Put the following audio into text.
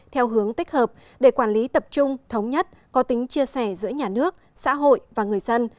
theo hướng tích hợp để quản lý tập trung thống nhất có tính chia sẻ giữa nhà nước xã hội và người dân